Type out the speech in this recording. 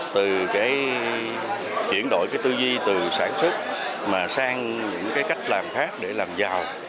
từ chuyển đổi tư duy từ sản xuất sang những cách làm khác để làm giàu